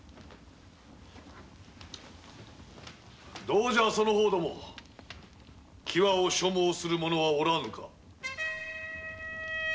どうじゃその方ども喜和を所望する者はおらぬか！